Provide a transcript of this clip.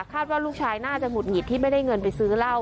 ว่าลูกชายน่าจะหงุดหงิดที่ไม่ได้เงินไปซื้อเหล้า